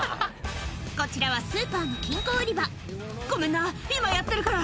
こちらはスーパーの金庫売り場「ごめんな今やってるから」